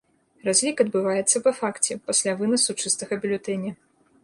Разлік адбываецца па факце, пасля вынасу чыстага бюлетэня.